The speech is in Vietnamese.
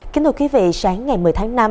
kính thưa quý vị sáng ngày một mươi tháng năm